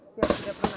siap sudah pernah